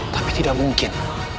tapi tidak mungkin